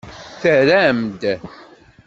Terram-d.